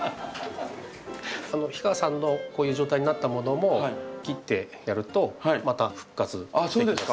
氷川さんのこういう状態になったものも切ってやるとまた復活できます。